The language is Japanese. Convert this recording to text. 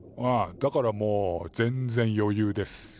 だからもう全然余ゆうです。